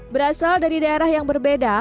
berasal dari daerah yang berbeda